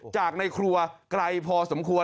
ในครัวไกลพอสมควร